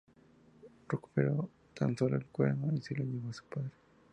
Recuperó tan solo el cuerno y se lo llevó a su padre.